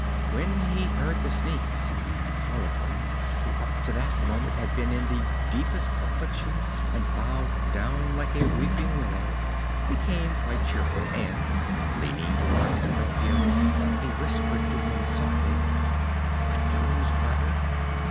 When he heard the sneeze, Harlequin, who up to that moment had been in the deepest affliction and bowed down like a weeping willow, became quite cheerful and, leaning towards Pinocchio, he whispered to him softly: "Good news, brother.